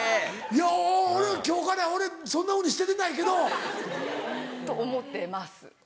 いや俺今日から俺そんなふうに捨ててないけど。と思ってます。